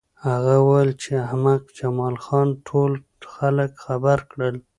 هغه وویل چې احمق جمال خان ټول خلک خبر کړل